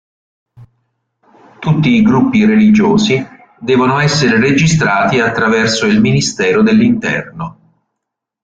Tutti i gruppi religiosi devono essere registrati attraverso il Ministero dell'interno.